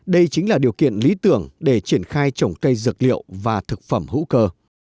đây chính là điều kiện lý tưởng để triển khai trồng cây dược liệu và thực phẩm hữu cơ